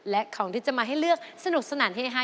และของที่จะมาให้เลือกสนุกสนานเฮฮา